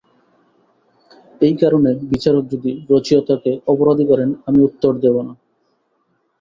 এই কারণে বিচারক যদি রচয়িতাকে অপরাধী করেন আমি উত্তর দেব না।